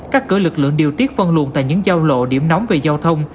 các cửa lực lượng điều tiết phân luận tại những giao lộ điểm nóng về giao thông